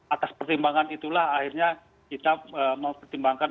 atas pertimbangan itulah akhirnya kita mau pertimbangkan